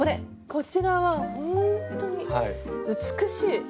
こちらはほんとに美しい！